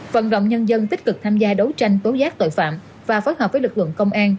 vận động nhân dân tích cực tham gia đấu tranh tố giác tội phạm và phối hợp với lực lượng công an